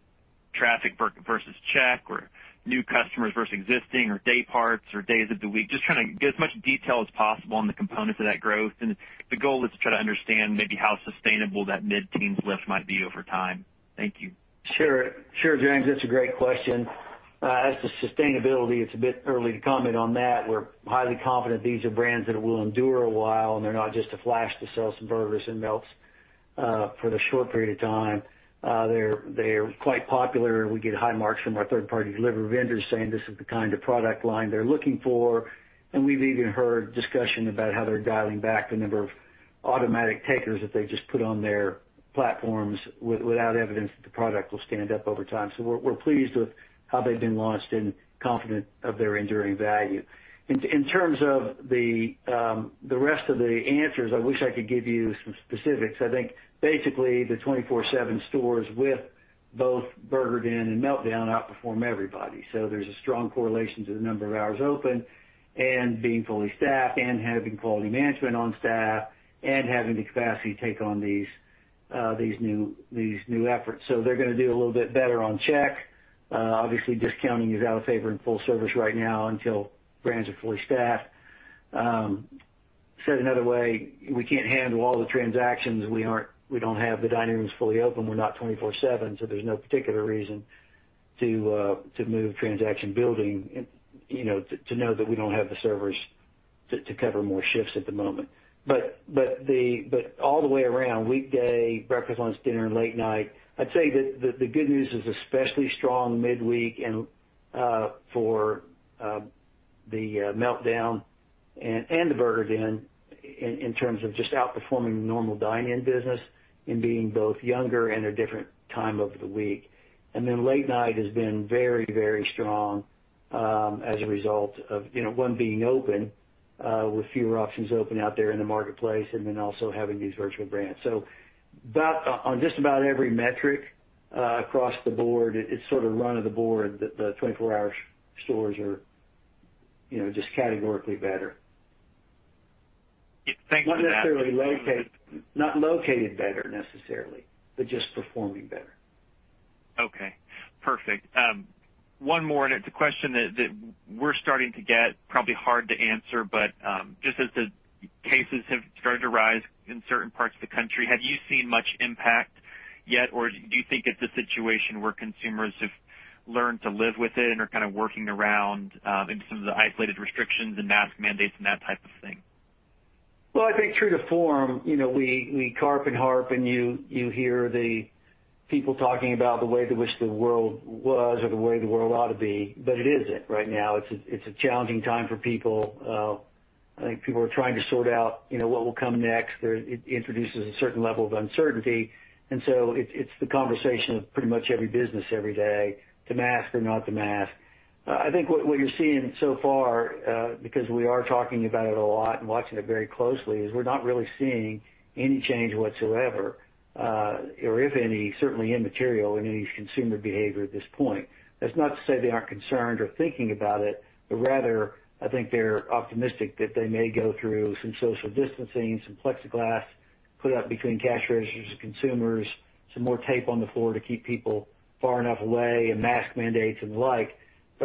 traffic versus check or new customers versus existing or day parts or days of the week. Just kind of get as much detail as possible on the components of that growth. The goal is to try to understand maybe how sustainable that mid-teens lift might be over time. Thank you. Sure, James. That's a great question. As to sustainability, it's a bit early to comment on that. We're highly confident these are brands that will endure a while, and they're not just a flash to sell some burgers and melts for the short period of time. They're quite popular. We get high marks from our third-party delivery vendors saying this is the kind of product line they're looking for. We've even heard discussion about how they're dialing back the number of automatic takers that they just put on their platforms without evidence that the product will stand up over time. We're pleased with how they've been launched and confident of their enduring value. In terms of the rest of the answers, I wish I could give you some specifics. I think basically the 24/7 stores with both The Burger Den and The Meltdown outperform everybody. There's a strong correlation to the number of hours open and being fully staffed and having quality management on staff and having the capacity to take on these new efforts. Obviously, discounting is out of favor in full service right now until brands are fully staffed. Said another way, we can't handle all the transactions. We don't have the dining rooms fully open. We're not 24/7, so there's no particular reason to move transaction building to know that we don't have the servers to cover more shifts at the moment. All the way around, weekday, breakfast, lunch, dinner, late night, I'd say that the good news is especially strong midweek and for The Meltdown and The Burger Den in terms of just outperforming the normal dine-in business and being both younger and a different time of the week. Late night has been very strong, as a result of one, being open, with fewer options open out there in the marketplace, and then also having these virtual brands. On just about every metric across the board, it's sort of run of the board that the 24-hour stores are just categorically better. Thank you. Not located better necessarily, but just performing better. Okay, perfect. One more. It's a question that we're starting to get, probably hard to answer, but just as the cases have started to rise in certain parts of the country, have you seen much impact yet, or do you think it's a situation where consumers have learned to live with it and are kind of working around in some of the isolated restrictions and mask mandates and that type of thing? Well, I think true to form, we carp and harp, and you hear the people talking about the way they wish the world was or the way the world ought to be, but it isn't right now. It's a challenging time for people. I think people are trying to sort out what will come next. It introduces a certain level of uncertainty, and so it's the conversation of pretty much every business every day, to mask or not to mask. I think what you're seeing so far, because we are talking about it a lot and watching it very closely, is we're not really seeing any change whatsoever, or if any, certainly immaterial in any consumer behavior at this point. That's not to say they aren't concerned or thinking about it, but rather, I think they're optimistic that they may go through some social distancing, some plexiglass put up between cash registers and consumers, some more tape on the floor to keep people far enough away, and mask mandates and the like.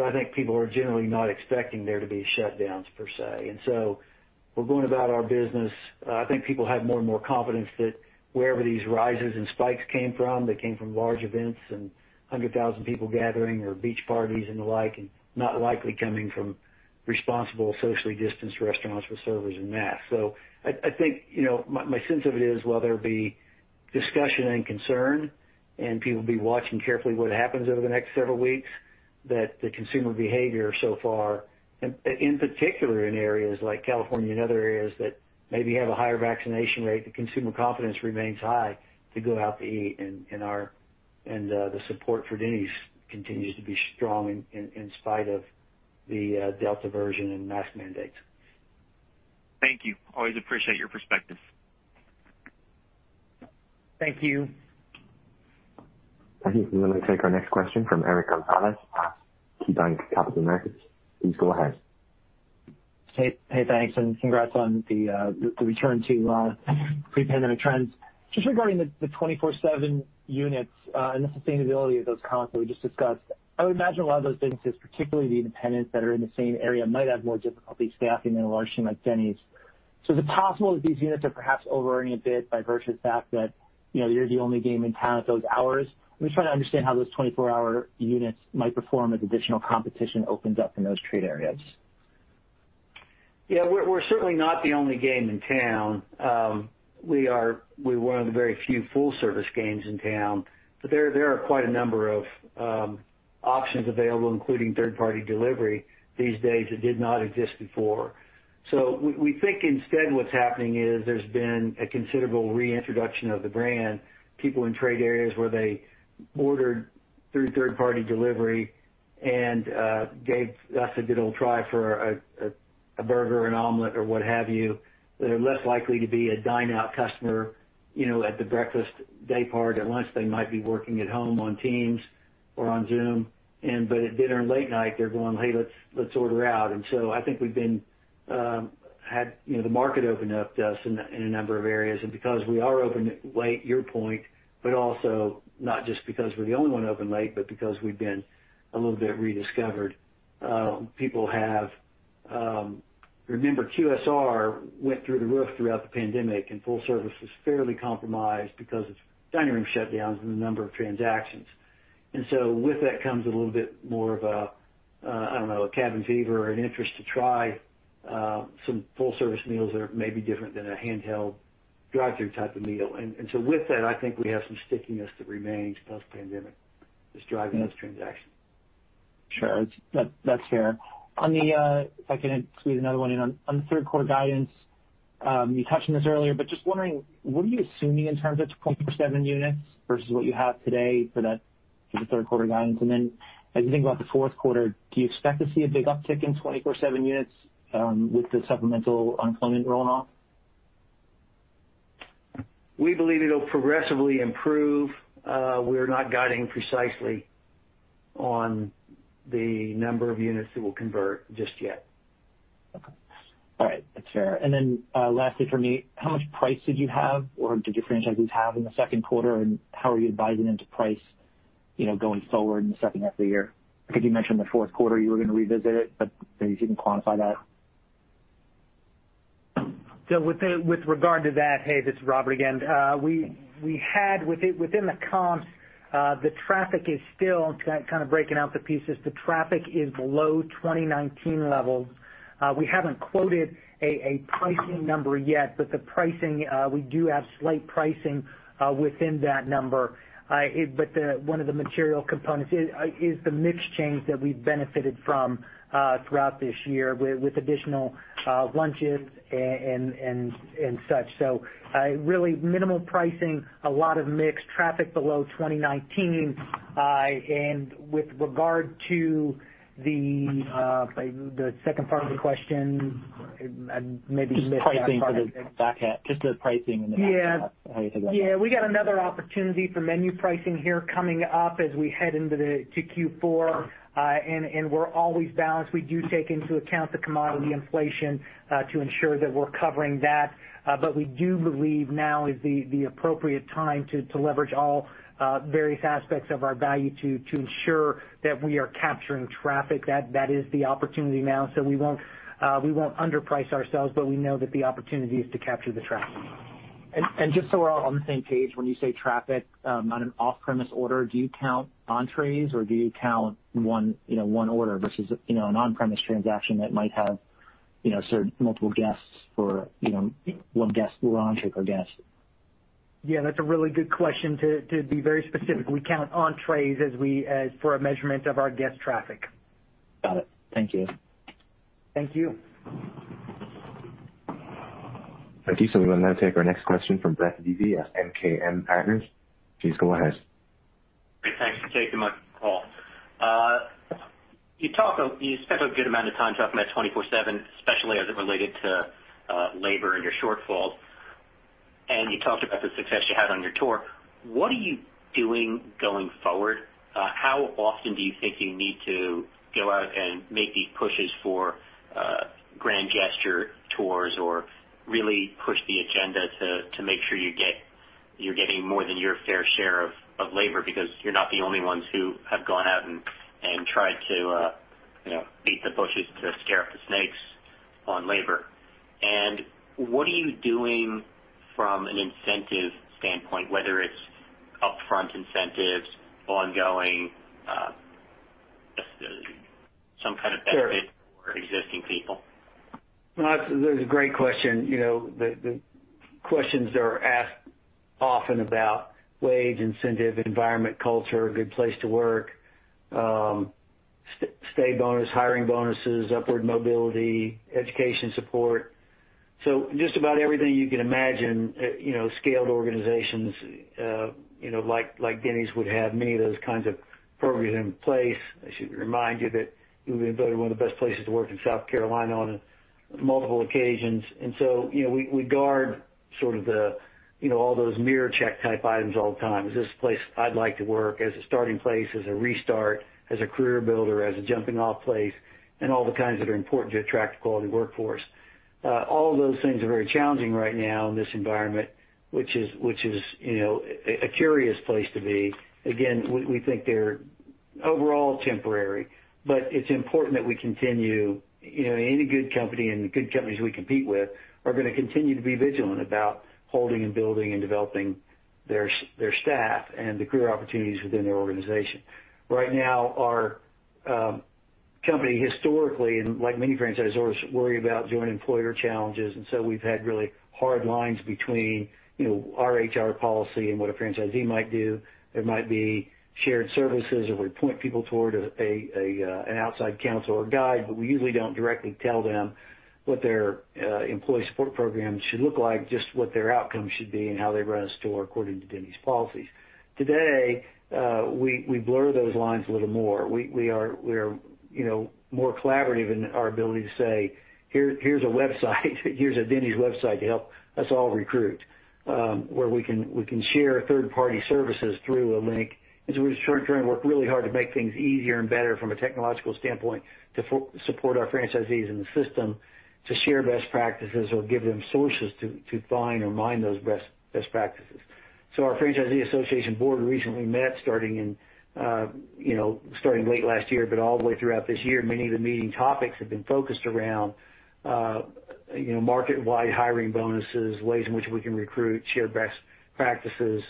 I think people are generally not expecting there to be shutdowns, per se. We're going about our business. I think people have more and more confidence that wherever these rises and spikes came from, they came from large events and 100,000 people gathering or beach parties and the like, and not likely coming from responsible socially distanced restaurants with servers and masks. I think my sense of it is, while there will be discussion and concern and people will be watching carefully what happens over the next several weeks, that the consumer behavior so far, in particular in areas like California and other areas that maybe have a higher vaccination rate, the consumer confidence remains high to go out to eat, and the support for Denny's continues to be strong in spite of the Delta version and mask mandates. Thank you. Always appreciate your perspective. Thank you. Thank you. We will now take our next question from Eric Gonzalez at KeyBanc Capital Markets. Please go ahead. Hey, thanks, and congrats on the return to pre-pandemic trends. Just regarding the 24/7 units and the sustainability of those comps that we just discussed, I would imagine a lot of those businesses, particularly the independents that are in the same area, might have more difficulty staffing than a large chain like Denny's. Is it possible that these units are perhaps overearning a bit by virtue of the fact that you're the only game in town at those hours? I'm just trying to understand how those 24-hour units might perform as additional competition opens up in those trade areas. We're certainly not the only game in town. We're one of the very few full-service games in town, but there are quite a number of options available, including third-party delivery these days that did not exist before. We think instead what's happening is there's been a considerable reintroduction of the brand. People in trade areas where they ordered through third-party delivery and gave us a good old try for a burger, an omelet, or what have you. They're less likely to be a dine-out customer at the breakfast day part. At lunch, they might be working at home on Microsoft Teams or on Zoom, but at dinner and late night, they're going, "Hey, let's order out." I think we've had the market open up to us in a number of areas, and because we are open late, your point, but also not just because we're the only one open late, but because we've been a little bit rediscovered. Remember, QSR went through the roof throughout the pandemic, and full service was fairly compromised because of dining room shutdowns and the number of transactions. With that comes a little bit more of a, I don't know, a cabin fever or an interest to try some full-service meals that are maybe different than a handheld drive-through type of meal. With that, I think we have some stickiness that remains post-pandemic that's driving those transactions. Sure. That's fair. If I can squeeze another one in. On the third quarter guidance, you touched on this earlier, but just wondering, what are you assuming in terms of 24/7 units versus what you have today for the third quarter guidance? As you think about the fourth quarter, do you expect to see a big uptick in 24/7 units with the supplemental unemployment rolling off? We believe it'll progressively improve. We are not guiding precisely on the number of units that we'll convert just yet. Okay. All right. That's fair. Lastly from me, how much price did you have or did your franchisees have in the second quarter, and how are you advising them to price going forward in the second half of the year? You mentioned the fourth quarter, you were going to revisit it. Maybe you can quantify that. With regard to that, hey, this is Robert again. Within the comps, the traffic is still kind of breaking out the pieces. The traffic is below 2019 levels. We haven't quoted a pricing number yet, but we do have slight pricing within that number. One of the material components is the mix change that we've benefited from throughout this year with additional lunches and such. Really minimal pricing, a lot of mix. Traffic below 2019. With regard to the second part of the question, I maybe missed that part. Just the pricing and the back half. Yeah. How you think about that? Yeah. We got another opportunity for menu pricing here coming up as we head into Q4. We're always balanced. We do take into account the commodity inflation to ensure that we're covering that. We do believe now is the appropriate time to leverage all various aspects of our value to ensure that we are capturing traffic. That is the opportunity now. We won't underprice ourselves, but we know that the opportunity is to capture the traffic. Just so we're all on the same page, when you say traffic on an off-premise order, do you count entrees, or do you count one order versus an on-premise transaction that might have served multiple guests for one guest or entree per guest? Yeah, that's a really good question. To be very specific, we count entrees for a measurement of our guest traffic. Got it. Thank you. Thank you. Thank you. We will now take our next question from Brett Levy as MKM Partners. Please go ahead. Great. Thanks. Thank you so much for the call. You spent a good amount of time talking about 24/7, especially as it related to labor and your shortfalls, and you talked about the success you had on your tour. What are you doing going forward? How often do you think you need to go out and make these pushes for grand gesture tours or really push the agenda to make sure you're getting more than your fair share of labor? Because you're not the only ones who have gone out and tried to beat the bushes to scare up the snakes on labor. What are you doing from an incentive standpoint, whether it's upfront incentives, ongoing, just some kind of benefit for existing people? That's a great question. The questions are asked often about wage incentive, environment, culture, good place to work, stay bonus, hiring bonuses, upward mobility, education support. Just about everything you can imagine, scaled organizations like Denny's would have many of those kinds of programs in place. I should remind you that we've been voted one of the best places to work in South Carolina on multiple occasions. We guard sort of all those mirror check type items all the time. Is this a place I'd like to work as a starting place, as a restart, as a career builder, as a jumping-off place, and all the kinds that are important to attract a quality workforce? All of those things are very challenging right now in this environment, which is a curious place to be. Again, we think they're overall temporary, but it's important that we continue. Any good company and the good companies we compete with are going to continue to be vigilant about holding and building and developing their staff and the career opportunities within their organization. Right now, our company historically, and like many franchisors, worry about joint employer challenges. We've had really hard lines between our HR policy and what a franchisee might do. There might be shared services, or we point people toward an outside counsel or guide, but we usually don't directly tell them what their employee support program should look like, just what their outcomes should be and how they run a store according to Denny's policies. Today, we blur those lines a little more. We are more collaborative in our ability to say, "Here's a Denny's website to help us all recruit," where we can share third-party services through a link. We're trying to work really hard to make things easier and better from a technological standpoint to support our franchisees in the system to share best practices or give them sources to find or mine those best practices. Our franchisee association board recently met starting late last year, but all the way throughout this year, many of the meeting topics have been focused around market-wide hiring bonuses, ways in which we can recruit, share best practices,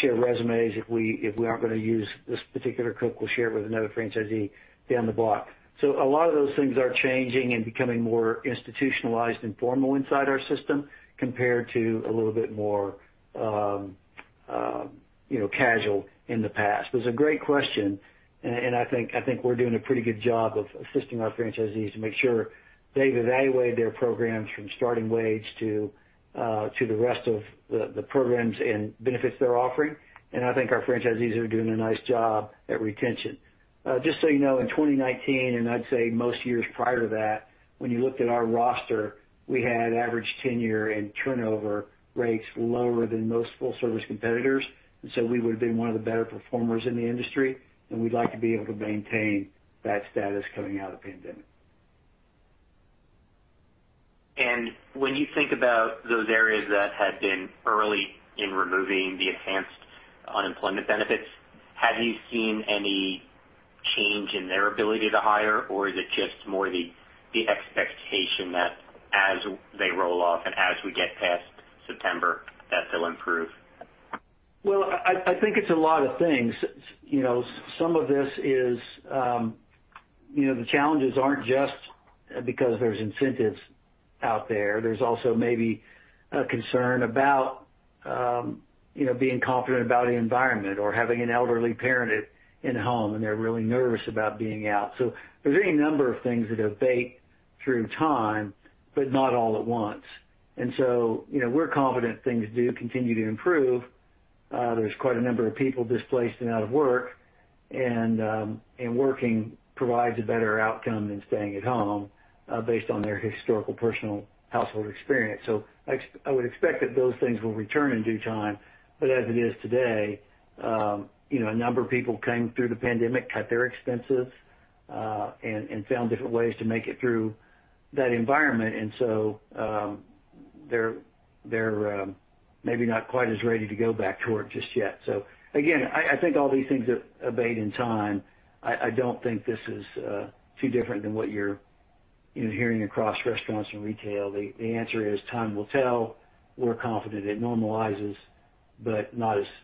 share resumes. If we aren't going to use this particular cook, we'll share it with another franchisee down the block. A lot of those things are changing and becoming more institutionalized and formal inside our system compared to a little bit more casual in the past. It's a great question, I think we're doing a pretty good job of assisting our franchisees to make sure they've evaluated their programs from starting wage to the rest of the programs and benefits they're offering. I think our franchisees are doing a nice job at retention. Just so you know, in 2019, and I'd say most years prior to that, when you looked at our roster, we had average tenure and turnover rates lower than most full-service competitors. We would have been one of the better performers in the industry, and we'd like to be able to maintain that status coming out of the pandemic. When you think about those areas that had been early in removing the enhanced unemployment benefits, have you seen any change in their ability to hire or is it just more the expectation that as they roll off and as we get past September, that they'll improve? Well, I think it's a lot of things. Some of this is the challenges aren't just because there's incentives out there. There's also maybe a concern about being confident about an environment or having an elderly parent in home, and they're really nervous about being out. There's any number of things that abate through time, but not all at once. We're confident things do continue to improve. There's quite a number of people displaced and out of work, and working provides a better outcome than staying at home based on their historical personal household experience. I would expect that those things will return in due time. As it is today, a number of people came through the pandemic, cut their expenses, and found different ways to make it through that environment. They're maybe not quite as ready to go back to work just yet. Again, I think all these things abate in time. I don't think this is too different than what you're hearing across restaurants and retail. The answer is time will tell. We're confident it normalizes, but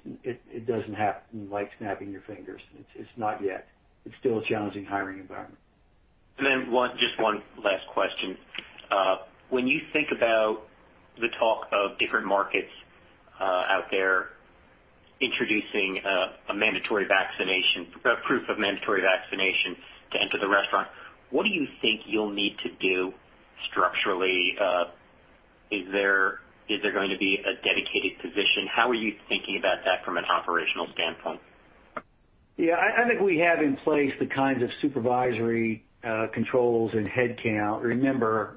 it doesn't happen like snapping your fingers. It's not yet. It's still a challenging hiring environment. Just one last question. When you think about the talk of different markets out there introducing a mandatory vaccination, a proof of mandatory vaccination to enter the restaurant, what do you think you'll need to do structurally? Is there going to be a dedicated position? How are you thinking about that from an operational standpoint? Yeah. I think we have in place the kinds of supervisory controls and headcount. Remember,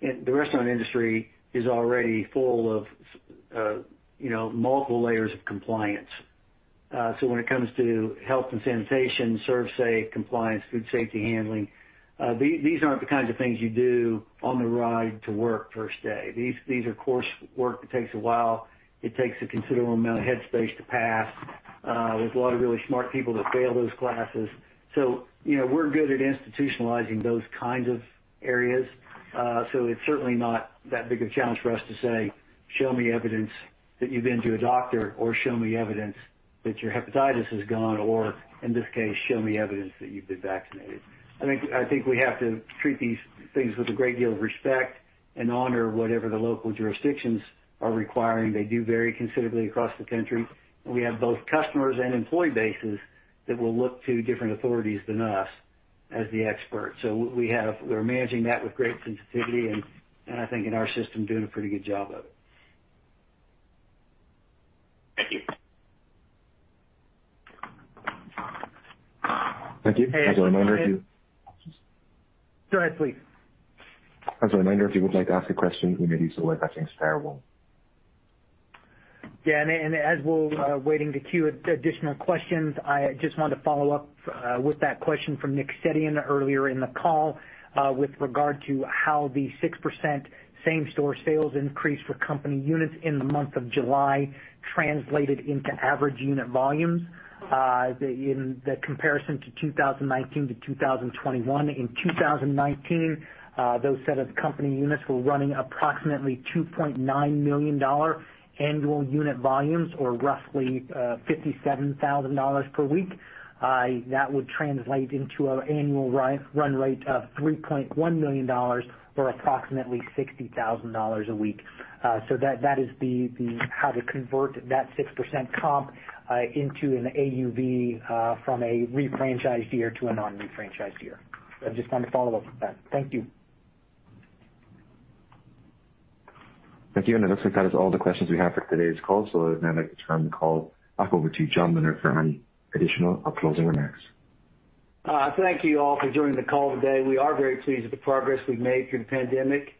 the restaurant industry is already full of multiple layers of compliance. When it comes to health and sanitation, ServSafe compliance, food safety handling, these aren't the kinds of things you do on the ride to work first day. These are course work that takes a while. It takes a considerable amount of headspace to pass. There's a lot of really smart people that fail those classes. We're good at institutionalizing those kinds of areas. It's certainly not that big of a challenge for us to say, "Show me evidence that you've been to a doctor," or "Show me evidence that your hepatitis is gone," or in this case, "Show me evidence that you've been vaccinated." I think we have to treat these things with a great deal of respect and honor whatever the local jurisdictions are requiring. They do vary considerably across the country, and we have both customers and employee bases that will look to different authorities than us as the expert. We're managing that with great sensitivity, and I think in our system, doing a pretty good job of it. Thank you. Thank you. Go ahead, please. As a reminder, if you would like to ask a question, you may do so by pressing star one. As we're waiting to queue additional questions, I just wanted to follow up with that question from Nick Setyan earlier in the call, with regard to how the 6% same-store sales increase for company units in the month of July translated into average unit volumes in the comparison to 2019-2021. In 2019, those set of company units were running approximately $2.9 million annual unit volumes or roughly $57,000 per week. That would translate into an annual run rate of $3.1 million or approximately $60,000 a week. That is how to convert that 6% comp into an AUV from a re-franchised year to a non-re-franchised year. I just wanted to follow up with that. Thank you. Thank you. It looks like that is all the questions we have for today's call. Now I'd like to turn the call back over to John Miller for any additional or closing remarks. Thank you all for joining the call today. We are very pleased with the progress we've made through the pandemic,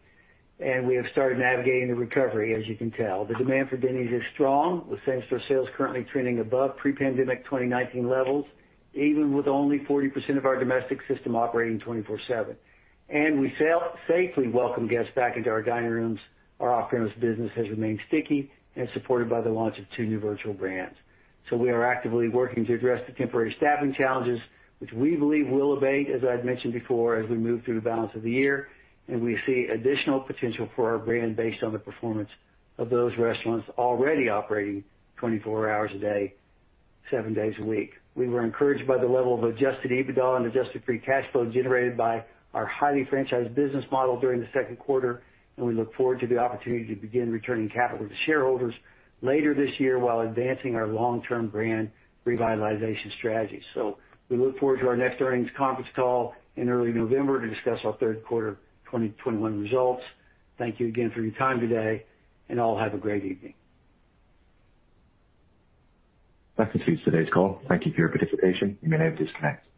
and we have started navigating the recovery, as you can tell. The demand for Denny's is strong, with same-store sales currently trending above pre-pandemic 2019 levels, even with only 40% of our domestic system operating 24/7. We safely welcome guests back into our dining rooms. Our off-premise business has remained sticky and supported by the launch of two new virtual brands. We are actively working to address the temporary staffing challenges, which we believe will abate, as I've mentioned before, as we move through the balance of the year, and we see additional potential for our brand based on the performance of those restaurants already operating 24 hours a day, seven days a week. We were encouraged by the level of adjusted EBITDA and adjusted free cash flow generated by our highly franchised business model during the second quarter, and we look forward to the opportunity to begin returning capital to shareholders later this year while advancing our long-term brand revitalization strategy. We look forward to our next earnings conference call in early November to discuss our third quarter 2021 results. Thank you again for your time today, and all have a great evening. That concludes today's call. Thank you for your participation. You may now disconnect.